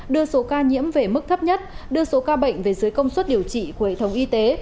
đưa số ca nhiễm về mức thấp nhất đưa số ca bệnh về dưới công suất điều trị của hệ thống y tế